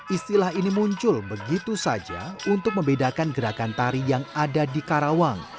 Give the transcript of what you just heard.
istilah ini muncul begitu saja untuk membedakan gerakan tari yang ada di karawang